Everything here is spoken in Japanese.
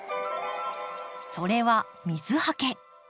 それは水はけ。